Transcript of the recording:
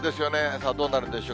さあ、どうなるんでしょう。